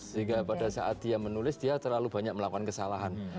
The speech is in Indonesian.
sehingga pada saat dia menulis dia terlalu banyak melakukan kesalahan